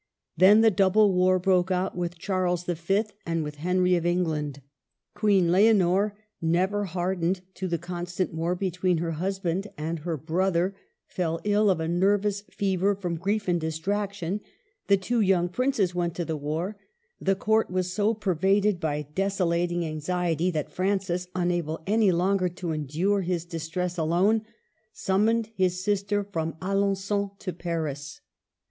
Then the double war broke out with Charles V. and with Henry of England. Queen Leonor, never hardened to the constant war between her husband and her brother, fell ill of a nervous fever from grief and distraction; the two young princes went to the war ; the Court was so per vaded by desolating anxiety, that Francis, un able any longer to endure his distress alone, summoned his sister from Alengon to Paris.